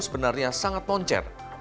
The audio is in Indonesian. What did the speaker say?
sebenarnya sangat poncer